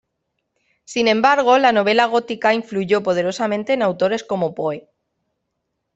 Sin embargo, la novela gótica influyó poderosamente en autores como Poe.